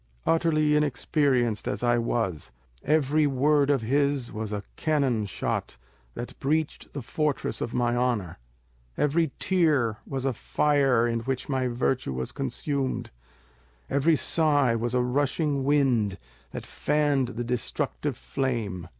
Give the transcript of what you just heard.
Utterly inexperienced as I was, every word of his was a cannon shot that breached the fortress of my honour; every tear was a fire in which my virtue was consumed; every sigh was a rushing wind that fanned the destructive flame.